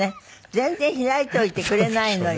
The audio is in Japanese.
全然開いといてくれないのよ